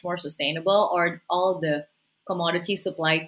jenis sumber komoditas untuk